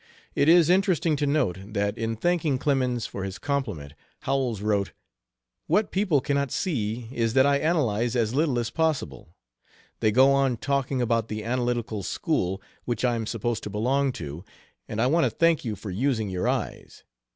It is interesting to note that in thanking Clemens for his compliment Howells wrote: "What people cannot see is that I analyze as little as possible; they go on talking about the analytical school, which I am supposed to belong to, and I want to thank you for using your eyes.....